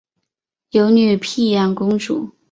有女沘阳公主。